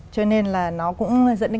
cho nên là nó cũng dẫn đến